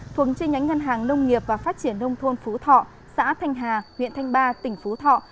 thuộc chi nhánh ngân hàng nông nghiệp và phát triển nông thôn phú thọ xã thanh hà huyện thanh ba tỉnh phú thọ